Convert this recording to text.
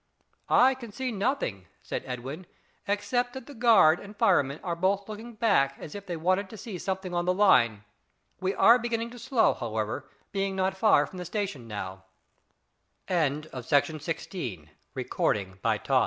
"I can see nothing," said Edwin, "except that the guard and fireman are both looking back as if they wanted to see something on the line. We are beginning to slow, however, being not far from the station now." About a mile and three quarters from the station, in the suburbs